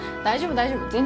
大丈夫大丈夫